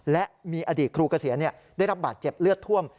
และมีอดีตครูเกษียณได้รับบาดเจ็บเลือดท่วม